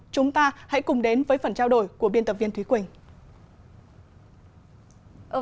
chúng ta hãy cùng đến với phần trao đổi của biên tập viên thúy quỳnh